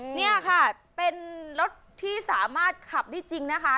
นี่ค่ะเป็นรถที่สามารถขับได้จริงนะคะ